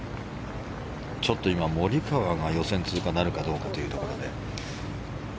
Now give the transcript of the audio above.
ちょっと今、モリカワが予選通過なるかどうかというところで。